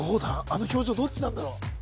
あの表情どっちなんだろう？